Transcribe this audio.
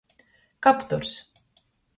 Kapturs.